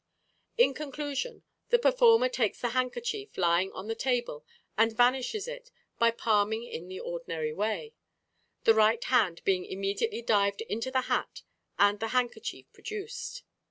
In conclusion, the performer takes the handkerchief lying on the table and vanishes it by palming in the ordinary way; the right hand being immediately dived into the hat and the handkerchief produced.